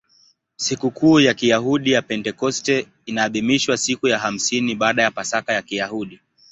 Sikukuu ya Kiyahudi ya Pentekoste inaadhimishwa siku ya hamsini baada ya Pasaka ya Kiyahudi.